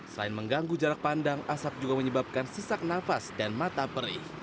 selain mengganggu jarak pandang asap juga menyebabkan sesak nafas dan mata perih